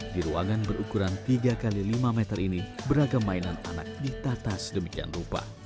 di ruangan berukuran tiga x lima meter ini beragam mainan anak ditata sedemikian rupa